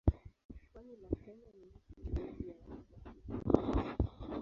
Pwani la Kenya ni nchi ya miji ya Waswahili hasa.